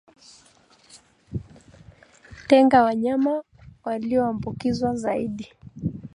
Tenga wanyama walioambukizwa zaidi